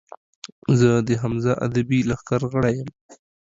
زۀ د حمزه ادبي لښکر غړے یم